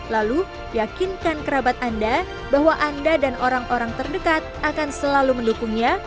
lalu yakinkan kerabat anda bahwa anda dan orang orang terdekat akan selalu mendukungnya